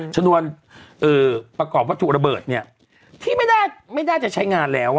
ฉะนวดประกอบวัตถุระเบิดเนี่ยที่ไม่ได้จะใช้งานแล้วอ่ะ